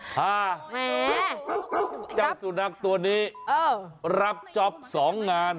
ค่ะจังสุดรักษ์ตัวนี้เออรับจ๊อปสองงาน